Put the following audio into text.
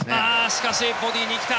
しかし、ボディーに来た。